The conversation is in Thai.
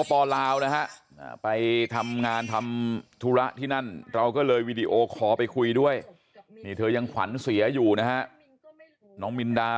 ปลาวนะฮะไปทำงานทำธุระที่นั่นเราก็เลยวีดีโอคอลไปคุยด้วยนี่เธอยังขวัญเสียอยู่นะฮะน้องมินดา